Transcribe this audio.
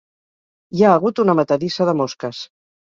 Hi ha hagut una matadissa de mosques.